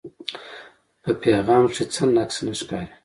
پۀ پېغام کښې څۀ نقص نۀ ښکاري